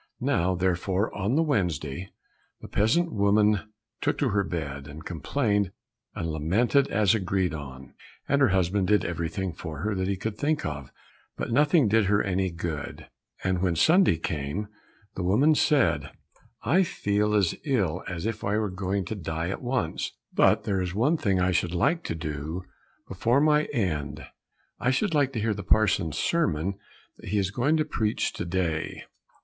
Now therefore on the Wednesday, the peasant woman took to her bed, and complained and lamented as agreed on, and her husband did everything for her that he could think of, but nothing did her any good, and when Sunday came the woman said, "I feel as ill as if I were going to die at once, but there is one thing I should like to do before my end I should like to hear the parson's sermon that he is going to preach to day."